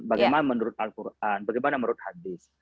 bagaimana menurut al quran bagaimana menurut hadis